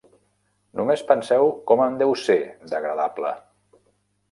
Només penseu com en deu ser, d'agradable!